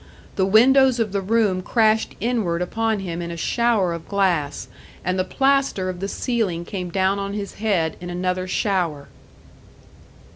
The windows of the room crashed inward upon him in a shower of glass, and the plaster of the ceiling came down on his head in another shower.